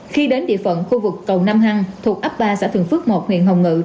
khi đến địa phận khu vực cầu nam hăng thuộc ấp ba xã thường phước một huyện hồng ngự